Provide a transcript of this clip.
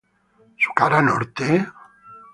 Su cara norte¿?